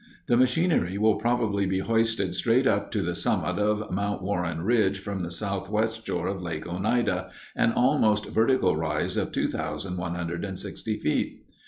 The machinery will probably be hoisted straight up to the summit of Mount Warren ridge from the southwest shore of Lake Oneida, an almost vertical rise of 2,160 feet.